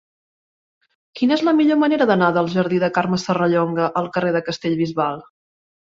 Quina és la millor manera d'anar del jardí de Carme Serrallonga al carrer de Castellbisbal?